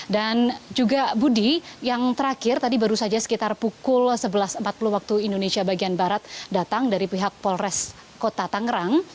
dan juga budi yang terakhir tadi baru saja sekitar pukul sebelas empat puluh waktu indonesia bagian barat datang dari pihak polres kota tangerang